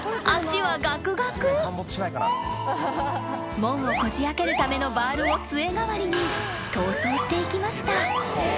［門をこじあけるためのバールをつえ代わりに逃走していきました］